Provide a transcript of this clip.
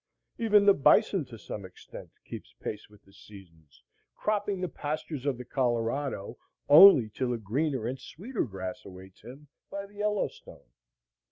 Even the bison, to some extent, keeps pace with the seasons, cropping the pastures of the Colorado only till a greener and sweeter grass awaits him by the Yellowstone.